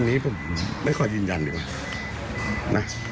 อันนี้ผมไม่ค่อยยืนยันดิวะนะ